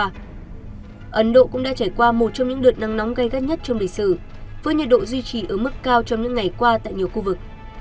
ấn độ cũng đã trải qua một trong những đợt nắng nóng gây gắt nhất trong lịch sử với nhiệt độ duy trì ở mức cao trong những ngày qua tại nhiều khu vực